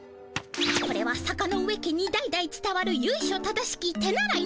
これは坂ノ上家に代々つたわるゆいしょ正しき手習いの本。